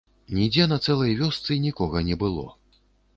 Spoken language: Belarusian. Нідзе на цэлай вёсцы нікога не было.